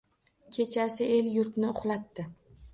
Kechasi el-yurtni uxlatdi.